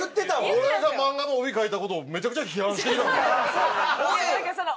俺が漫画の帯書いた事をめちゃくちゃ批判してきた。